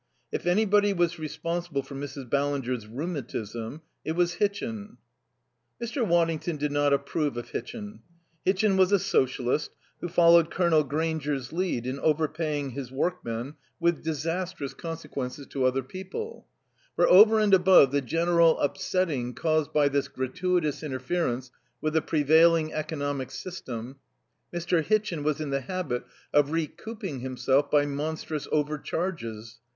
If anybody was responsible for Mrs. Ballinger's rheumatism, it was Hitchin. Mr. Waddington did not approve of Hitchin. Hitchin was a Socialist who followed Colonel Grainger's lead in overpaying his workmen, with disastrous consequences to other people; for over and above the general upsetting caused by this gratuitous interference with the prevailing economic system, Mr. Hitchin was in the habit of recouping himself by monstrous overcharges.